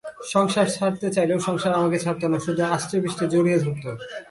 সংসার ছাড়তে চাইলেও সংসার আমাকে ছাড়ত না, শুধু আষ্টেপৃষ্ঠে জড়িয়ে ধরত।